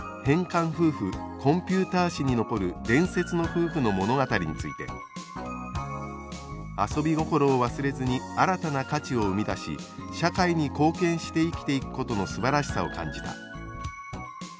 「変かんふうふ」コンピューター史に残る伝説の夫婦の物語について「遊び心を忘れずに新たな価値を生み出し社会に貢献して生きていくことのすばらしさを感じた」